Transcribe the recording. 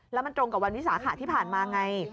แล้วมันตรงกับวันวิสาขะที่ผ่านมาไง